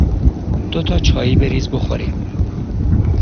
دو تا چایی بریز بخوریم